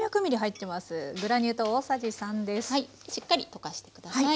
しっかり溶かして下さい。